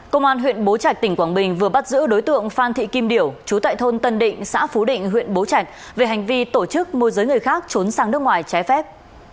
công an huyện bố trạch tỉnh quảng bình vừa bắt giữ đối tượng phan thị kim điểu chú tại thôn tân định xã phú định huyện bố trạch về hành vi tổ chức môi giới người khác trốn sang nước ngoài trái phép